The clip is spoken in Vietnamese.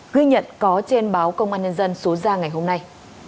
ghi nhận có trên báo công an nhân dân số ra ngày hôm nay